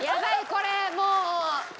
これもう。